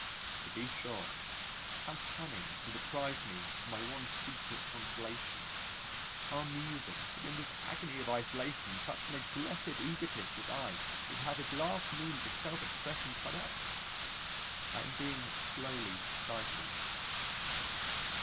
To be sure, how cunning to deprive me of my one secret consolation! How amusing that in this agony of isolation such an aggressive egotist as I should have his last means of self expression cut off. I am being slowly stifled.